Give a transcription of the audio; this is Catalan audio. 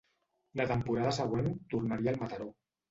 La temporada següent tornaria al Mataró.